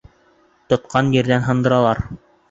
Тотҡан ерҙән һындыралар.